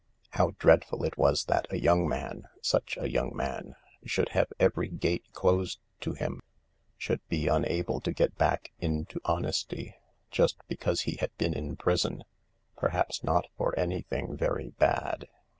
How dreadful it was that a young man — such a young man — should have every gate closed to him, should be unable to get back into honesty, just because he had been in prison — perhaps not for anything very bad.